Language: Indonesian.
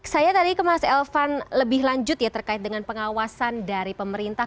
saya tadi ke mas elvan lebih lanjut ya terkait dengan pengawasan dari pemerintah